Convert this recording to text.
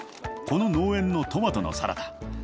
この農園のトマトのサラダ。